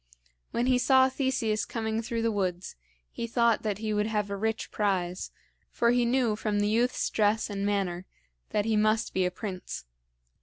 When he saw Theseus coming through the woods, he thought that he would have a rich prize, for he knew from the youth's dress and manner that he must be a prince.